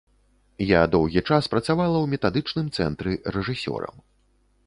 Я доўгі час працавала ў метадычным цэнтры рэжысёрам.